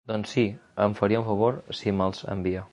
Doncs si, em faria un favor si mels envia.